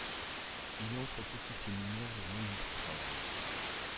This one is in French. Il entre au petit séminaire de Monistrol.